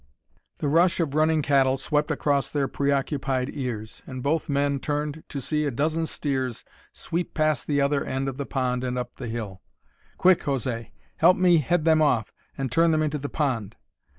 The rush of running cattle swept across their preoccupied ears, and both men turned to see a dozen steers sweep past the other end of the pond and up the hill. "Quick, José! Help me head them off and turn them into the pond!"